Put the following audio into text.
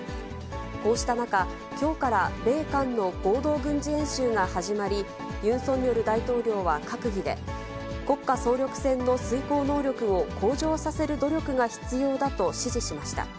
こうした中、きょうから米韓の合同軍事演習が始まり、ユン・ソンニョル大統領は閣議で、国家総力戦の遂行能力を向上させる努力が必要だと指示しました。